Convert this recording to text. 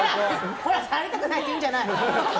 触りたくないって言うんじゃない！